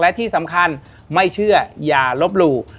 และที่สำคัญไม่เชื่ออย่าลบหลู่